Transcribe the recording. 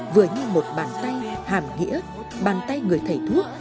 vừa như một bàn tay hàm nghĩa bàn tay người thầy thuốc